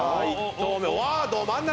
ど真ん中！